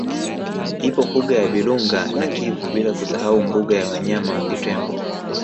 Ipo mbuga ya Bilunga na Kivu bila kusahau mbuga ya wanyama ya Butembo